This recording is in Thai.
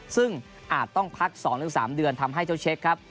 ซึ่งอาจต้องพัก๒๓เดือนทำให้เจ้าเช็คครับ